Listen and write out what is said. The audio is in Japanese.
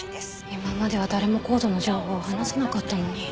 今までは誰もＣＯＤＥの情報を話さなかったのに。